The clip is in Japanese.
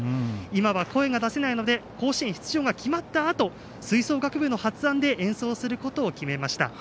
今は声が出せないので甲子園出場が決まったあと吹奏楽部の発案で演奏することに決めました。